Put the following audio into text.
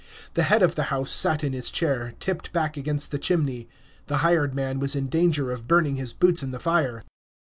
The head of the house sat in his chair, tipped back against the chimney; the hired man was in danger of burning his boots in the fire.